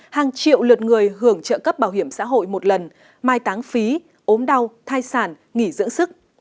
hàng triệu lượt người hưởng trợ cấp bảo hiểm xã hội một lần mai táng phí ốm đau thai sản nghỉ dưỡng sức